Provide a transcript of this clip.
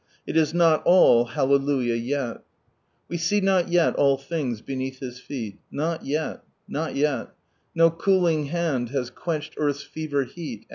It is not all Hallelujah " yet, " We sec not yet all things beneath His feet. Not yet, not yet ; No cooling hand has quenched earth's fever heat.